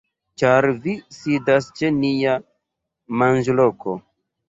Ĉar vi sidas ĉe nia manĝloko!